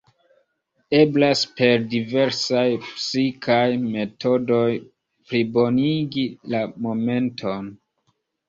Eblas per diversaj psikaj metodoj "plibonigi la momenton".